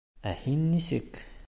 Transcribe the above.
— Ә һин нисек?..